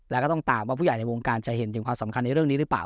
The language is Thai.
แล้วก็ต้องตามว่าผู้ใหญ่ในวงการจะเห็นถึงความสำคัญในเรื่องนี้หรือเปล่า